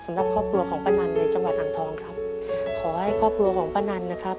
สำหรับครอบครัวของป้านันในจังหวัดอ่างทองครับขอให้ครอบครัวของป้านันนะครับ